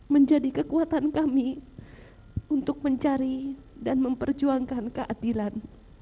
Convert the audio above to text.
menjadi kekuatan kami untuk mencari dan memperjuangkan keadilan